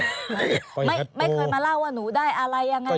ไม่เคยมาเล่าว่าหนูได้อะไรยังไง